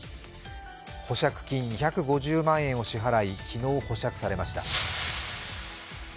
保釈金２５０万円を支払い、昨日保釈されました。